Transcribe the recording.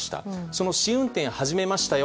その試運転を始めましたよ